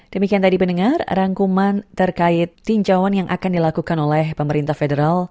demikian tadi pendengar rangkuman terkait tinjauan yang akan dilakukan oleh pemerintah federal